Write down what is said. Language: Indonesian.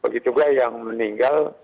begitulah yang meninggal